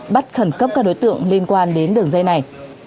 bắt khẩn cấp các đối tượng liên quan đến đường dây này